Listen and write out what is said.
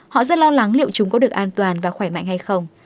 họ rất lo lắng liệu chúng có được an toàn và khỏe mạnh hay không